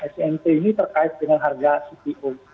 smp ini terkait dengan harga cpo